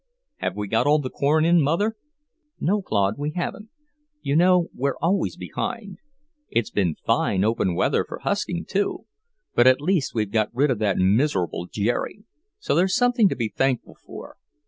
"Have we got all the corn in, Mother?" "No, Claude, we haven't. You know we're always behindhand. It's been fine, open weather for husking, too. But at least we've got rid of that miserable Jerry; so there's something to be thankful for.